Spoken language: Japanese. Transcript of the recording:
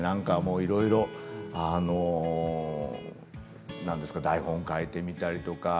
いろいろ台本を書いてみたりとか。